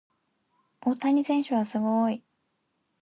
大谷選手はすごい。